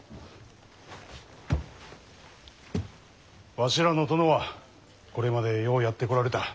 わしらの殿はこれまでようやってこられた。